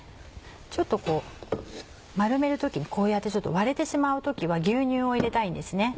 ちょっとこう丸める時にこうやってちょっと割れてしまう時は牛乳を入れたいんですね。